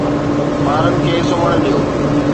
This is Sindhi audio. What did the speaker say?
ٻارن کي سمهڻ ڏيو